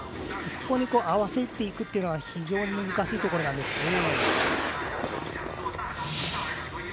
そこに合わせていくというのが非常に難しいところなんです。